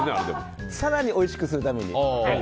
更においしくするために。